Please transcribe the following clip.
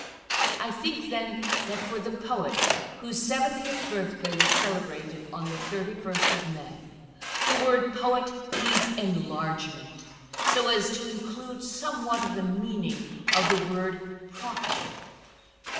I think, then, that for the poet whose seventieth birthday was celebrated on the 31st of May, the word poet needs enlargement so as to include somewhat of the meaning of the word prophet.